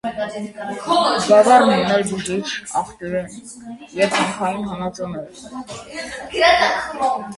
Գավառն ուներ բուժիչ աղբյուրեն և հանքային հանածոներ։